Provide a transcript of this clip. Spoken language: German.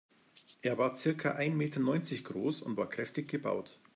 Er war circa ein Meter neunzig groß und war kräftig gebaut.